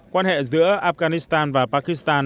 quan hệ giữa afghanistan và pakistan